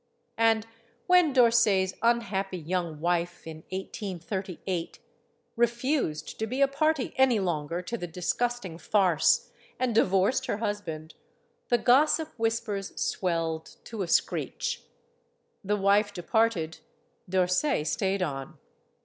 And when D'Orsay' s unhappy young wife, in 1838, refused to be a party any longer to the disgusting farce and divorced her husband, the gossip whispers swelled to a screech. The wife departed; D'Orsay stayed on.